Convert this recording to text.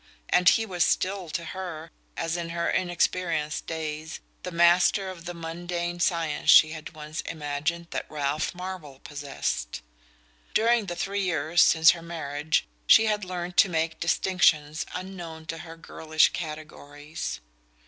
And he was still to her, as in her inexperienced days, the master of the mundane science she had once imagined that Ralph Marvell possessed. During the three years since her marriage she had learned to make distinctions unknown to her girlish categories.